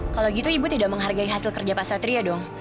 kalau gitu ibu tidak menghargai hasil kerja pak satria dong